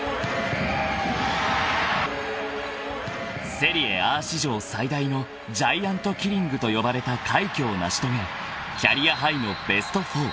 ［セリエＡ史上最大のジャイアントキリングと呼ばれた快挙を成し遂げキャリアハイのベスト４］